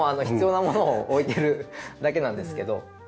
必要なものを置いてるだけなんですけど。